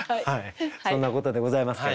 そんなことでございますけれども。